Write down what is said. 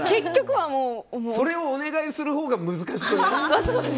それをお願いするほうが難しくない？